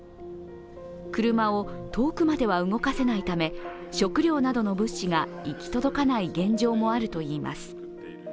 車を遠くまでは動かせないため、食料などの物資が行き届かない現状もあるといいます。